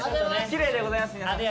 きれいでございます皆さん。